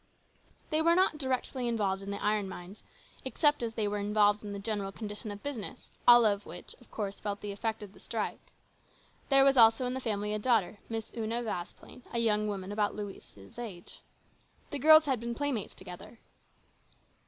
They were not directly interested in the iron mines, except as they were involved in the general condition of business, all of which, of course, felt the effect of the strike. There was also in the family a daughter, Miss Una Vasplaine, a young woman about Louise's age. The girls had been playmates together.